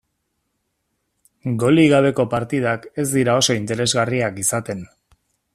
Golik gabeko partidak ez dira oso interesgarriak izaten.